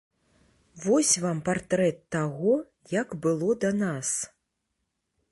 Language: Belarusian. Вось вам партрэт таго, як было да нас.